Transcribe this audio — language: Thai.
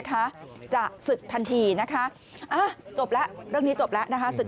คะจะศึกทันทีนะคะจบแล้วเรื่องนี้จบแล้วนะคะศึก